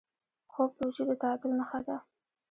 خوب د وجود د تعادل نښه ده